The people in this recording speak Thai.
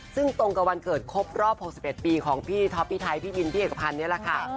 ซึ่งตรงกับวันเกิดครบรอบ๖๑ปีของพี่ท็อปพี่ไทยพี่บินพี่เอกพันธ์นี่แหละค่ะ